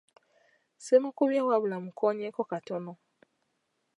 Simukubye wabula mmukoonyeko katono.